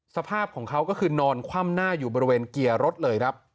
สภาพของเขาก็คือนอนคว่ำหน้าอยู่บริเวณเกียร์รถเลยครับ